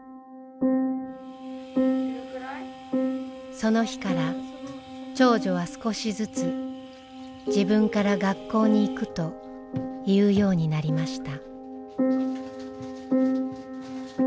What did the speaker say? その日から長女は少しずつ自分から学校に行くと言うようになりました。